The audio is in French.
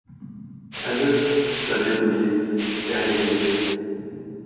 Adieu, cher dépouillé, cher exilé.